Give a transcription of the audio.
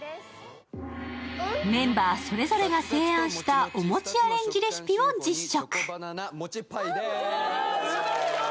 メンバーそれぞれが提案したお餅のアレンジレシピを実食。